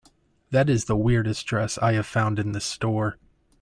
That is the weirdest dress I have found in this store.